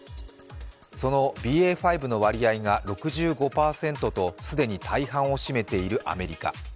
そのＢＡ．５の割合が６５％と既に大半を占めているアメリカ。